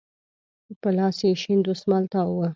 په لاس يې شين دسمال تاو و.